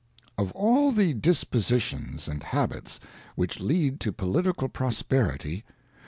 Of all the dispositions and habits, which n lead to political prosperity.